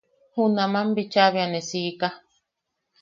Junaman bicha bea ne siika.